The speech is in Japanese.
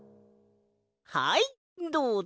はいどうぞ！